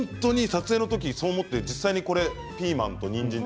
撮影の時、そう思って実際にピーマン、にんじん